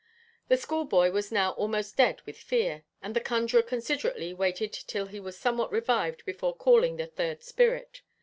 The schoolboy was now almost dead with fear, and the conjuror considerately waited till he was somewhat revived before calling the third spirit.